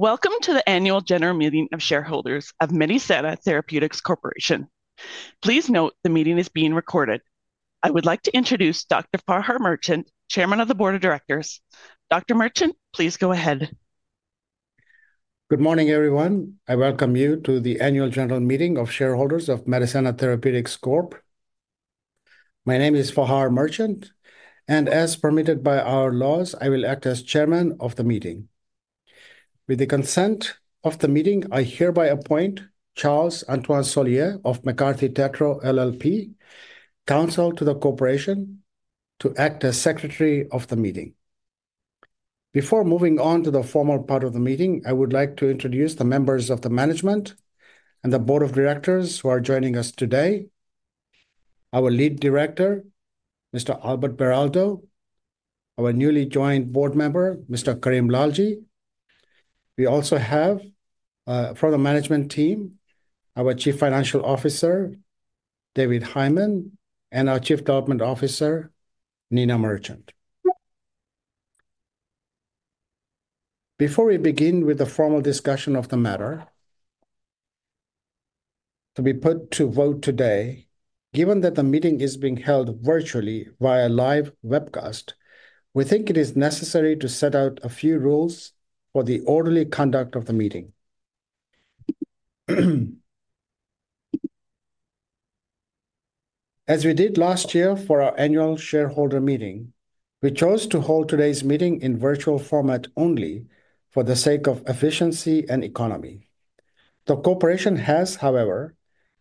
Welcome to the Annual General Meeting of shareholders of Medicenna Therapeutics Corporation. Please note, the meeting is being recorded. I would like to introduce Dr. Fahar Merchant, Chairman of the board of directors. Dr. Merchant, please go ahead. Good morning, everyone. I welcome you to the annual general meeting of shareholders of Medicenna Therapeutics Corp. My name is Fahar Merchant, and as permitted by our laws, I will act as chairman of the meeting. With the consent of the meeting, I hereby appoint Charles-Antoine Soulière of McCarthy Tétrault LLP, counsel to the corporation, to act as secretary of the meeting. Before moving on to the formal part of the meeting, I would like to introduce the members of the management and the board of directors who are joining us today. Our lead director, Mr. Albert Beraldo, our newly joined board member, Mr. Karim Lalji. We also have, from the management team, our Chief Financial Officer, Jeff Davin, and our Chief Development Officer, Nina Merchant. Before we begin with the formal discussion of the matter to be put to vote today, given that the meeting is being held virtually via live webcast, we think it is necessary to set out a few rules for the orderly conduct of the meeting. As we did last year for our annual shareholder meeting, we chose to hold today's meeting in virtual format only for the sake of efficiency and economy. The corporation has, however,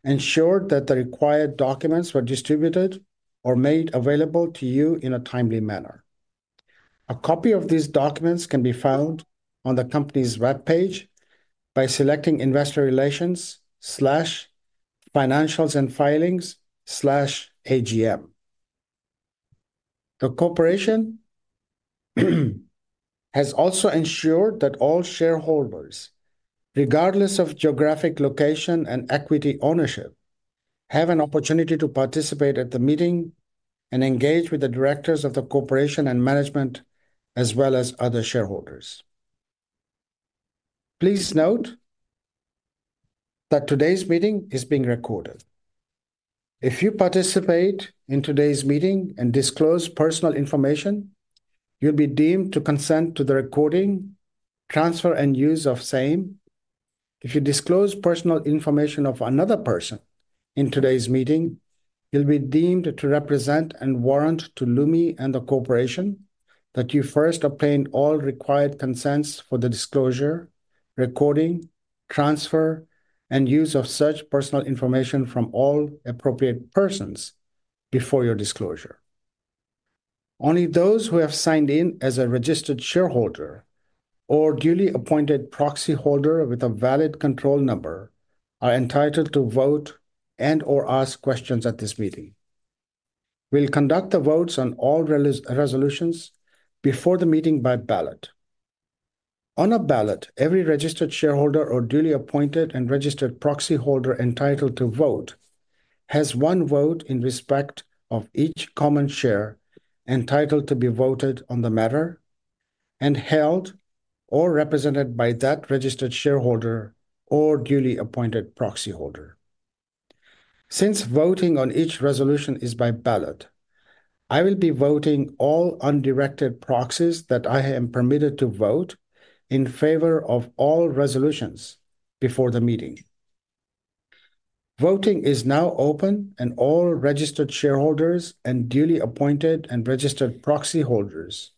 ensured that the required documents were distributed or made available to you in a timely manner. A copy of these documents can be found on the company's webpage by selecting Investor Relations/Financials and Filings/AGM. The corporation has also ensured that all shareholders, regardless of geographic location and equity ownership, have an opportunity to participate at the meeting and engage with the directors of the corporation and management, as well as other shareholders. Please note that today's meeting is being recorded. If you participate in today's meeting and disclose personal information, you'll be deemed to consent to the recording, transfer, and use of same. If you disclose personal information of another person in today's meeting, you'll be deemed to represent and warrant to Lumi and the corporation that you first obtained all required consents for the disclosure, recording, transfer, and use of such personal information from all appropriate persons before your disclosure. Only those who have signed in as a registered shareholder or duly appointed proxyholder with a valid control number are entitled to vote and/or ask questions at this meeting. We'll conduct the votes on all resolutions before the meeting by ballot. On a ballot, every registered shareholder or duly appointed and registered proxyholder entitled to vote has one vote in respect of each common share entitled to be voted on the matter and held or represented by that registered shareholder or duly appointed proxyholder. Since voting on each resolution is by ballot, I will be voting all undirected proxies that I am permitted to vote in favor of all resolutions before the meeting. Voting is now open, and all registered shareholders and duly appointed and registered proxyholders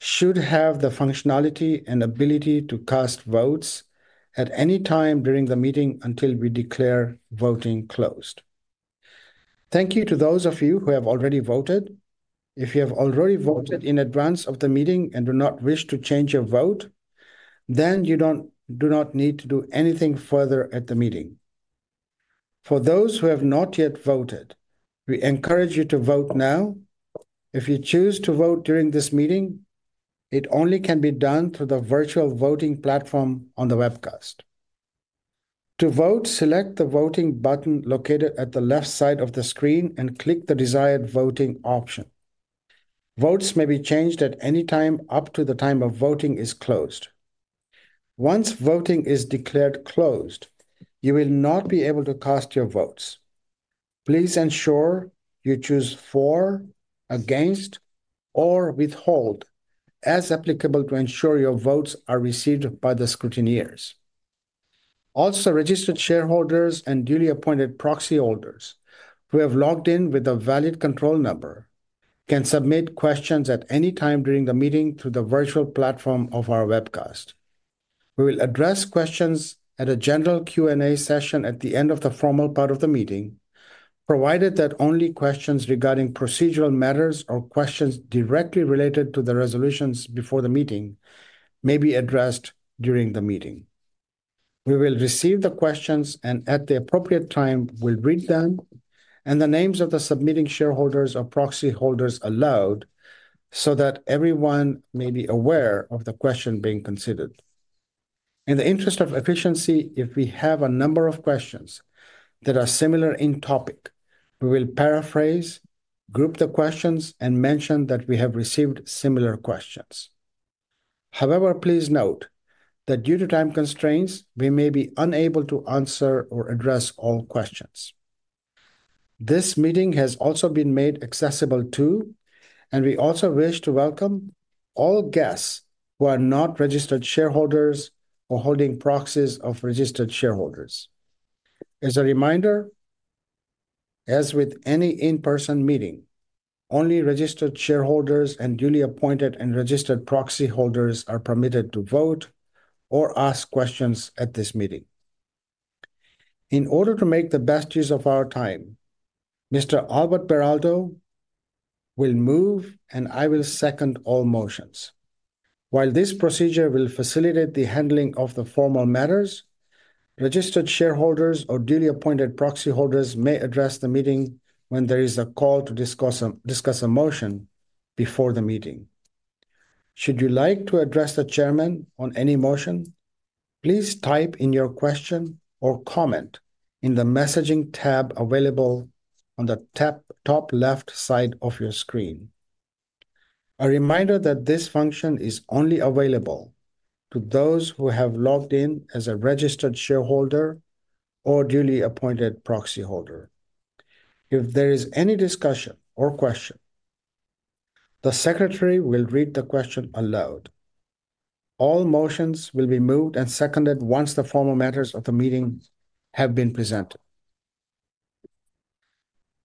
should have the functionality and ability to cast votes at any time during the meeting until we declare voting closed. Thank you to those of you who have already voted. If you have already voted in advance of the meeting and do not wish to change your vote, then you do not need to do anything further at the meeting. For those who have not yet voted, we encourage you to vote now. If you choose to vote during this meeting, it only can be done through the virtual voting platform on the webcast. To vote, select the Voting button located at the left side of the screen and click the desired voting option. Votes may be changed at any time up to the time of voting is closed. Once voting is declared closed, you will not be able to cast your votes. Please ensure you choose For, Against, or Withhold, as applicable, to ensure your votes are received by the scrutineers. Also, registered shareholders and duly appointed proxyholders who have logged in with a valid control number can submit questions at any time during the meeting through the virtual platform of our webcast. We will address questions at a general Q&A session at the end of the formal part of the meeting, provided that only questions regarding procedural matters or questions directly related to the resolutions before the meeting may be addressed during the meeting. We will receive the questions, and at the appropriate time, we'll read them and the names of the submitting shareholders or proxyholders aloud so that everyone may be aware of the question being considered. In the interest of efficiency, if we have a number of questions that are similar in topic, we will group the questions and mention that we have received similar questions. However, please note that due to time constraints, we may be unable to answer or address all questions. This meeting has also been made accessible too, and we also wish to welcome all guests who are not registered shareholders or holding proxies of registered shareholders. As a reminder, as with any in-person meeting, only registered shareholders and duly appointed and registered proxy holders are permitted to vote or ask questions at this meeting. In order to make the best use of our time, Mr. Albert Beraldo will move, and I will second all motions. While this procedure will facilitate the handling of the formal matters, registered shareholders or duly appointed proxy holders may address the meeting when there is a call to discuss a motion before the meeting. Should you like to address the chairman on any motion, please type in your question or comment in the messaging tab available on the top left side of your screen. A reminder that this function is only available to those who have logged in as a registered shareholder or duly appointed proxy holder. If there is any discussion or question, the secretary will read the question aloud. All motions will be moved and seconded once the formal matters of the meeting have been presented.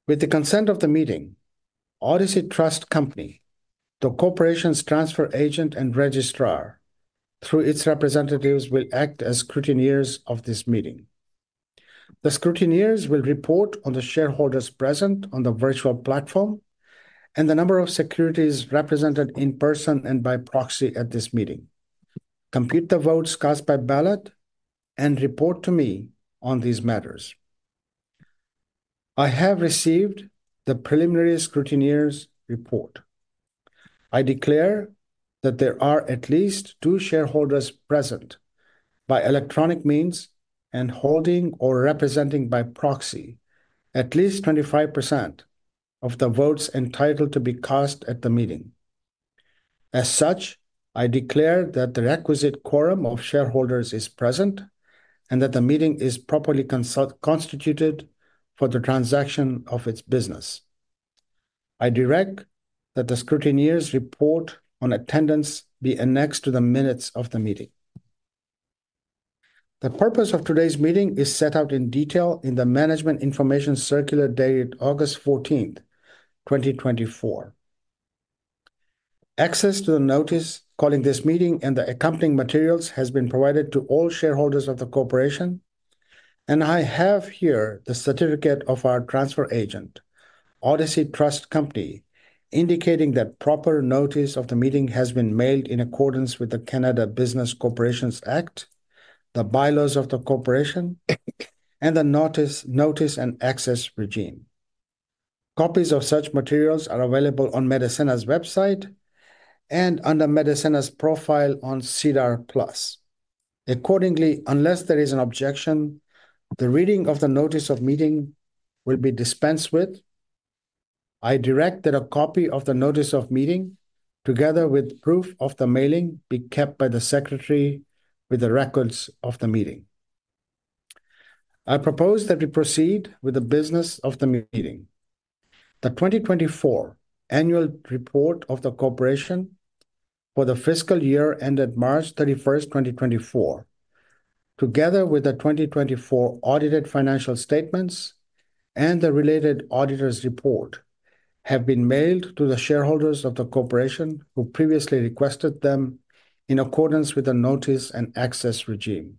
With the consent of the meeting, Odyssey Trust Company, the corporation's transfer agent and registrar, through its representatives, will act as scrutineers of this meeting. The scrutineers will report on the shareholders present on the virtual platform and the number of securities represented in person and by proxy at this meeting, complete the votes cast by ballot, and report to me on these matters. I have received the preliminary scrutineers' report. I declare that there are at least two shareholders present by electronic means and holding or representing by proxy at least 25% of the votes entitled to be cast at the meeting. As such, I declare that the requisite quorum of shareholders is present and that the meeting is properly constituted for the transaction of its business. I direct that the scrutineers' report on attendance be annexed to the minutes of the meeting. The purpose of today's meeting is set out in detail in the management information circular dated August 14th, 2024. Access to the notice calling this meeting and the accompanying materials has been provided to all shareholders of the corporation, and I have here the certificate of our transfer agent, Odyssey Trust Company, indicating that proper notice of the meeting has been mailed in accordance with the Canada Business Corporations Act, the bylaws of the corporation, and the Notice and Access Regime. Copies of such materials are available on Medicenna's website and under Medicenna's profile on SEDAR+. Accordingly, unless there is an objection, the reading of the notice of meeting will be dispensed with. I direct that a copy of the notice of meeting, together with proof of the mailing, be kept by the secretary with the records of the meeting. I propose that we proceed with the business of the meeting. The 2024 annual report of the corporation for the fiscal year ended March 31st, 2024, together with the 2024 audited financial statements and the related auditor's report, have been mailed to the shareholders of the corporation who previously requested them in accordance with the Notice and Access Regime.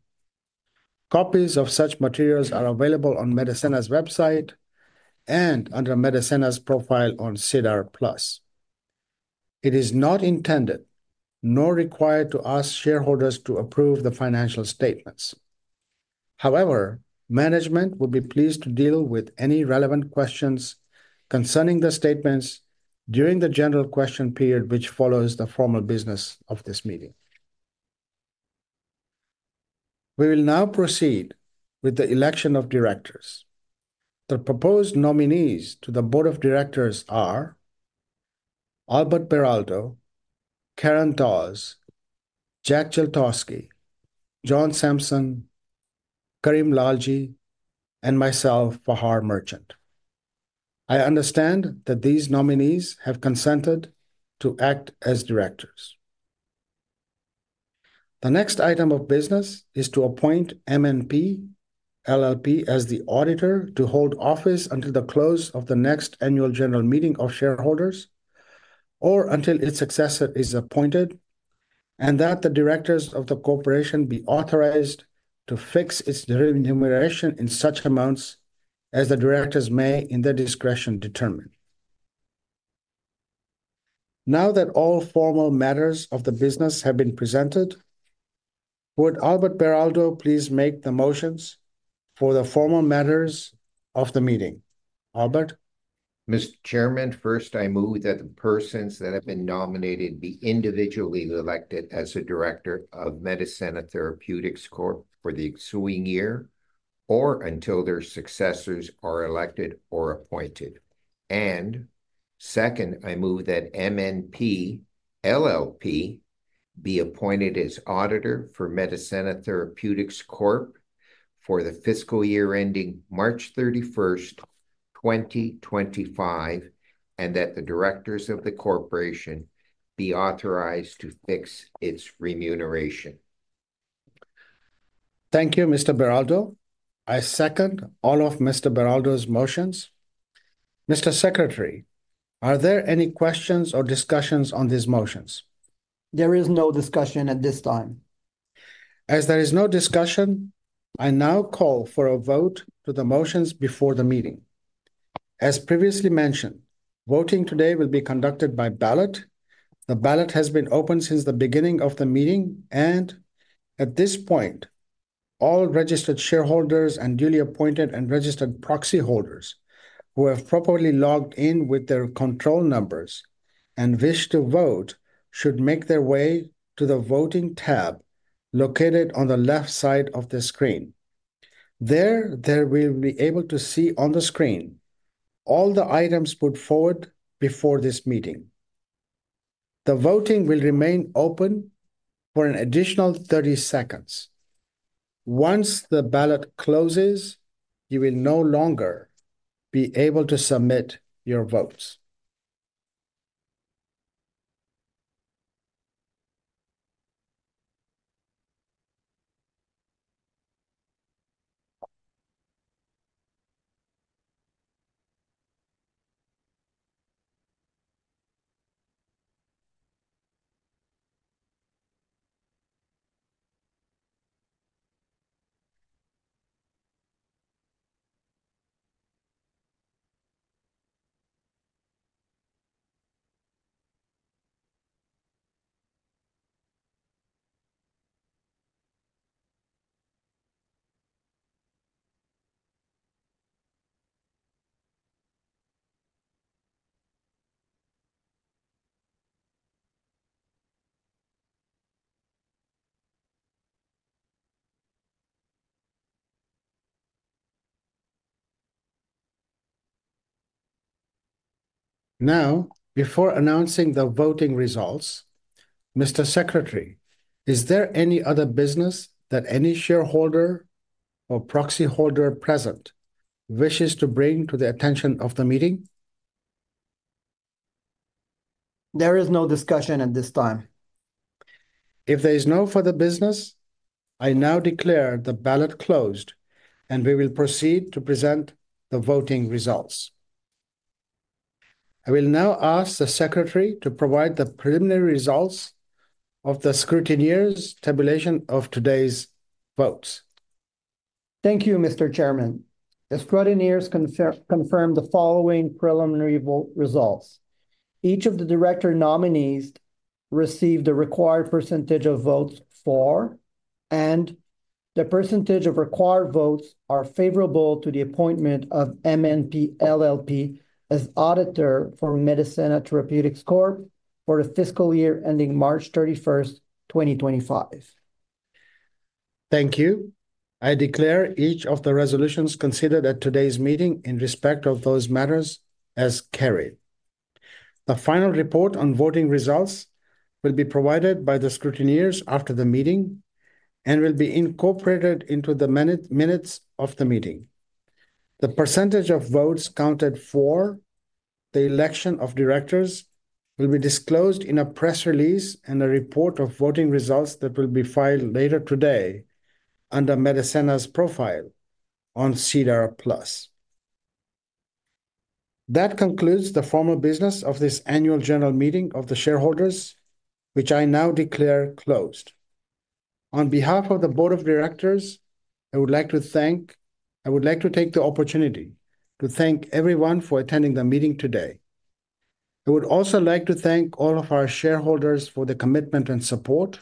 Copies of such materials are available on Medicenna's website and under Medicenna's profile on SEDAR+. It is not intended nor required to ask shareholders to approve the financial statements. However, management would be pleased to deal with any relevant questions concerning the statements during the general question period, which follows the formal business of this meeting. We will now proceed with the election of directors. The proposed nominees to the board of directors are Albert Beraldo, Karen Dawes, Jack Geltosky, John Buchan, Karim Lalji, and myself, Fahar Merchant. I understand that these nominees have consented to act as directors. The next item of business is to appoint MNP LLP as the auditor to hold office until the close of the next annual general meeting of shareholders or until its successor is appointed, and that the directors of the corporation be authorized to fix its remuneration in such amounts as the directors may, in their discretion, determine. Now that all formal matters of the business have been presented, would Albert Beraldo please make the motions for the formal matters of the meeting? Albert? Mr. Chairman, first, I move that the persons that have been nominated be individually elected as a director of Medicenna Therapeutics Corp for the ensuing year or until their successors are elected or appointed. And second, I move that MNP LLP be appointed as auditor for Medicenna Therapeutics Corp for the fiscal year ending March 31st, 2025, and that the directors of the corporation be authorized to fix its remuneration. Thank you, Mr. Beraldo. I second all of Mr. Beraldo's motions. Mr. Secretary, are there any questions or discussions on these motions? There is no discussion at this time. As there is no discussion, I now call for a vote to the motions before the meeting. As previously mentioned, voting today will be conducted by ballot. The ballot has been open since the beginning of the meeting, and at this point, all registered shareholders and duly appointed and registered proxyholders who have properly logged in with their control numbers and wish to vote, should make their way to the Voting tab located on the left side of the screen. There, they will be able to see on the screen all the items put forward before this meeting. The voting will remain open for an additional thirty seconds. Once the ballot closes, you will no longer be able to submit your votes. Now, before announcing the voting results, Mr. Secretary, is there any other business that any shareholder or proxyholder present wishes to bring to the attention of the meeting? There is no discussion at this time. If there is no further business, I now declare the ballot closed, and we will proceed to present the voting results. I will now ask the secretary to provide the preliminary results of the scrutineers' tabulation of today's votes. Thank you, Mr. Chairman. The scrutineers confirmed the following preliminary vote results. Each of the director nominees received the required percentage of votes for, and the percentage of required votes are favorable to the appointment of MNP LLP as auditor for Medicenna Therapeutics Corp. for the fiscal year ending March 31st, 2025. Thank you. I declare each of the resolutions considered at today's meeting in respect of those matters as carried. The final report on voting results will be provided by the scrutineers after the meeting and will be incorporated into the minute, minutes of the meeting. The percentage of votes counted for the election of directors will be disclosed in a press release and a report of voting results that will be filed later today under Medicenna's profile on SEDAR+. That concludes the formal business of this annual general meeting of the shareholders, which I now declare closed. On behalf of the board of directors, I would like to thank... I would like to take the opportunity to thank everyone for attending the meeting today. I would also like to thank all of our shareholders for their commitment and support,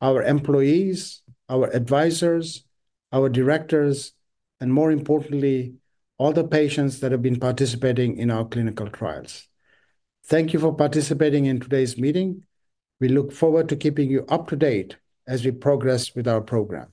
our employees, our advisors, our directors, and more importantly, all the patients that have been participating in our clinical trials. Thank you for participating in today's meeting. We look forward to keeping you up to date as we progress with our program.